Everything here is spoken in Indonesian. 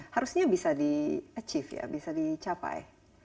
harusnya bisa di achieve ya bisa dicapai